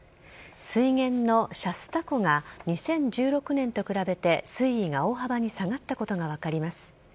水源のシャスタ湖が２０１６年と比べて水位が大幅に下がったことが分かります。